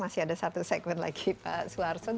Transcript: masih ada satu segmen lagi pak suarso